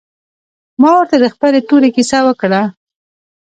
ما ورته د خپلې تورې کيسه وکړه.